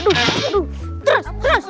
aduh terus terus